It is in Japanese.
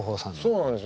そうなんです。